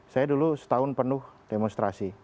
saya dulu setahun penuh demonstrasi